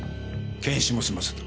検視も済ませた。